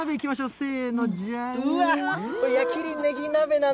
せーの、じゃーん。